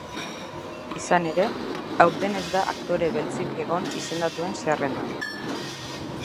Izan ere, aurten ez da aktore beltzik egon izendatuen zerrendan.